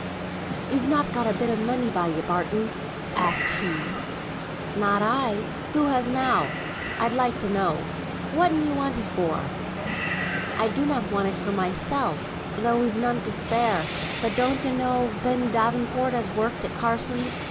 "You've not got a bit o' money by you, Barton?" asked he. "Not I; who has now, I'd like to know. Whatten you want it for?" "I donnot want it for mysel, tho' we've none to spare. But don ye know Ben Davenport as worked at Carsons'?